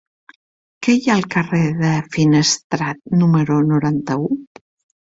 Què hi ha al carrer de Finestrat número noranta-u?